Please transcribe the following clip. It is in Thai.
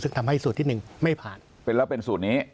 ซึ่งทำให้สูตรที่หนึ่งไม่ผ่านเป็นแล้วเป็นสูตรนี้